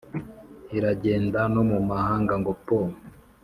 iragenda no mu manga ngo pooo!